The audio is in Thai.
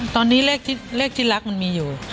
ตอนนี้เลขที่รักมันมีอยู่